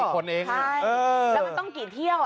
แล้วมันต้องกี่เที่ยว